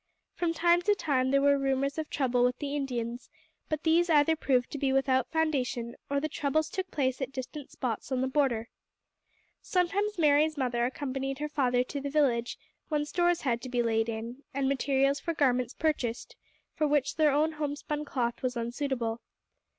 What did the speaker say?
From time to time there were rumours of trouble with the Indians; but these either proved to be without foundation, or the troubles took place at distant spots on the border. Sometimes Mary's mother accompanied her father to the village when stores had to be laid in, and materials for garments purchased for which their own homespun cloth was unsuitable.